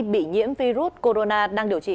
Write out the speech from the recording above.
bị nhiễm virus corona đang điều trị